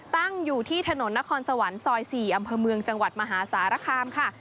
ตั้งอยู่ที่ถนนนครสวรรค์ซอย๔อำเภอเมืองจังหวัดมหาสารคามค่ะ